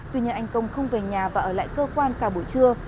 tuy nhiên anh công không về nhà và ở lại cơ quan cả buổi trưa